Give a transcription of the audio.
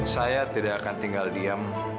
saya tidak akan tinggal diam